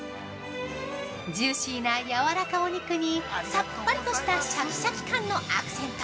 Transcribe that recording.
ジューシーなやわらかお肉にさっぱりとしたシャキシャキ感のアクセント。